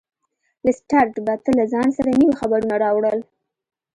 لیسټرډ به تل له ځان سره نوي خبرونه راوړل.